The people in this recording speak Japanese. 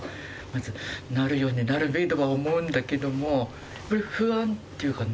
「なるようになるべ」とは思うんだけども不安っていうかな